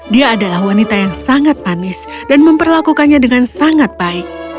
dia adalah wanita yang sangat panis dan memperlakukannya dengan sangat baik